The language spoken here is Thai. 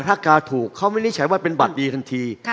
ถ้ากาถูกเขาวินิจฉัยว่าเป็นบัตรดีทันที